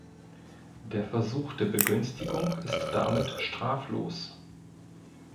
Der Versuch der Begünstigung ist damit straflos.